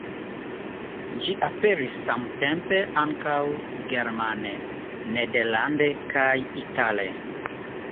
Ĝi aperis samtempe ankaŭ germane, nederlande kaj itale.